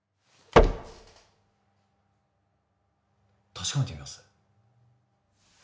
確かめてみます